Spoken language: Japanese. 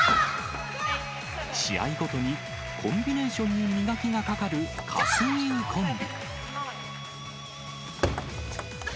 試合ごとにコンビネーションに磨きがかかる、かすみうコンビ。